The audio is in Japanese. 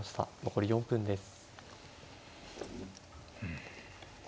残り４分です。